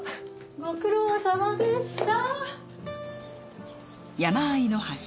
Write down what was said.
ご苦労さまでした。